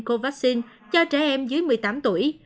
co vaccine cho trẻ em dưới một mươi tám tuổi